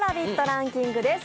ランキングです。